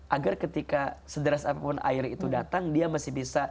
agar ketika sederas apapun air itu datang dia masih bisa